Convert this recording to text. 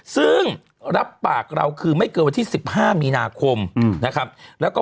ซึ่งรับปากเราคือไม่เกินวันที่๑๕มีนาคมนะครับแล้วก็